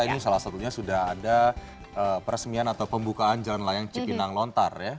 ini salah satunya sudah ada peresmian atau pembukaan jalan layang cipinang lontar ya